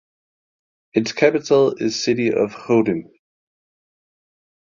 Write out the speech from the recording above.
Its capital is city of Chrudim.